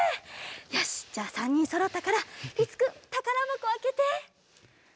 よしっじゃあ３にんそろったからりつくんたからばこあけて。